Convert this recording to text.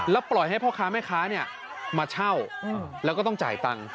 ปล่อยให้พ่อค้าแม่ค้ามาเช่าแล้วก็ต้องจ่ายตังค์